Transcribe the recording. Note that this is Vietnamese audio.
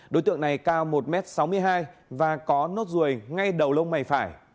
đối tượng này cao một m sáu mươi hai và có nốt ruồi ngay đầu lông mày phải